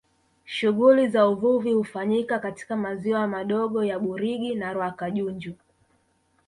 Shughuli za uvuvi hufanyika katika maziwa madogo ya Burigi na Rwakajunju